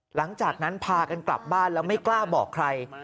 หลังจากนั้นพากันกลับบ้านแล้วไม่กล้าบอกใคร